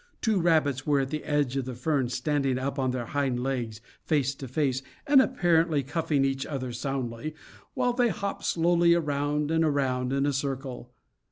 Two rabbits were at the edge of the ferns, standing up on their hind legs, face to face, and apparently cuffing each other soundly, while they hopped slowly around and around in a circle.